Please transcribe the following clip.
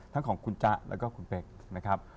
ของคุณจ๊ะแล้วก็คุณเป๊กนะครับ